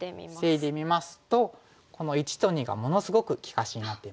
防いでみますとこの①と②がものすごく利かしになっていますね。